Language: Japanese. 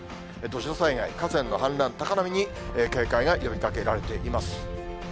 土砂災害、河川の氾濫、高波に警戒が呼びかけられています。